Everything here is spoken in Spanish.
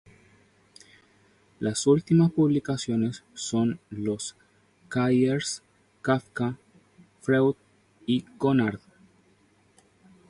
Las últimas publicaciones son los Cahiers Kafka, Freud y Conrad.